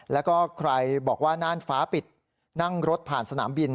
แล้วก็ใครบอกว่าน่านฟ้าปิดนั่งรถผ่านสนามบิน